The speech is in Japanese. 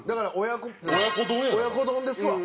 親子丼ですわ。